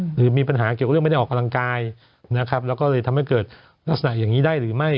หรือมีปัญหาเกี่ยวกับเรื่องไม่ได้ออกกำลังกายนะครับแล้วก็เลยทำให้เกิดลักษณะอย่างนี้ได้หรือไม่